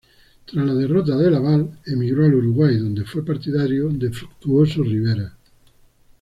Tras la derrota de Lavalle, emigró al Uruguay, donde fue partidario de Fructuoso Rivera.